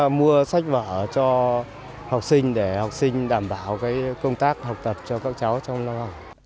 cố gắng mua sách vở cho học sinh để học sinh đảm bảo công tác học tập cho các cháu trong lớp học